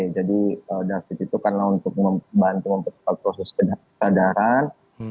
jadi david itu kan untuk membantu mempercepat proses kecederan